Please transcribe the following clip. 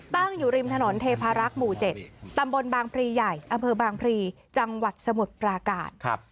ตั้งอยู่ริมถนนเทพารักษ์หมู่๗ตำบลบางพรีใหญ่อำเภอบางพรีจังหวัดสมุทรปราการ